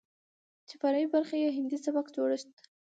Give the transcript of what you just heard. چې فرعي برخې يې هندي سبک جوړښت،